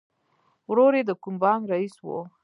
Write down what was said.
ورور یې د کوم بانک رئیس و